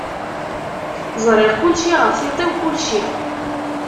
Ẓriɣ kullci, ɣef tiṭ-iw kullci.